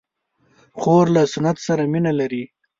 خور له سنت سره مینه لري.